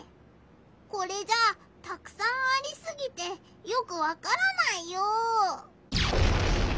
これじゃたくさんありすぎてよくわからないよ！